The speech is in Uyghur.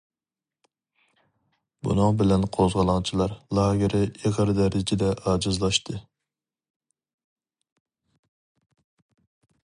بۇنىڭ بىلەن قوزغىلاڭچىلار لاگېرى ئېغىر دەرىجىدە ئاجىزلاشتى.